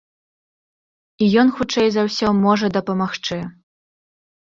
І ён, хутчэй за ўсё, можа дапамагчы.